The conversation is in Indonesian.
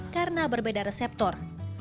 karena berbeda reseptor